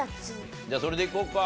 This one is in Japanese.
じゃあそれでいこうか。